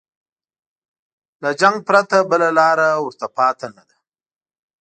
له جنګ نه پرته بله لاره ورته پاتې نه ده.